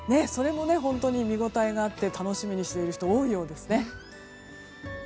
それも見ごたえがあって楽しみにしている人が多いようですね。